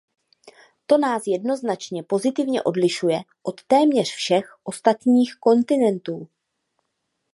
To nás jednoznačně pozitivně odlišuje od téměř všech ostatních kontinentů.